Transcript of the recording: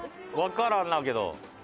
わからんなけど。